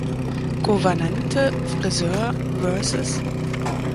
Gouvernante, Friseur vs.